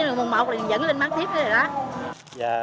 là chứ là mùa một vẫn lên bán tiếp rồi đó